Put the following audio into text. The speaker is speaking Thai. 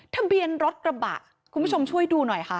ทะเบียนรถกระบะคุณผู้ชมช่วยดูหน่อยค่ะ